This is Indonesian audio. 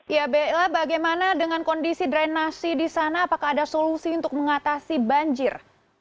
ya bella bagaimana dengan kondisi drainasi di sana apakah ada solusi untuk mengatasi banjir